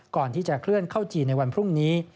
ก่อนที่จะเคลื่อนเข้าจีนในวันพรุ่งนี้